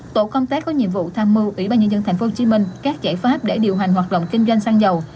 tổ công tác có nhiệm vụ tham mưu ủy ban nhân dân tp hcm các giải pháp để điều hành hoạt động kinh doanh xăng dầu